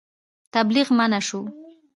تبلیغ منع شو.